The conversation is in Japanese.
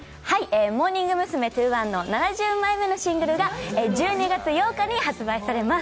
モーニング娘’２１の７０枚目のシングルが１２月８日に発売されます。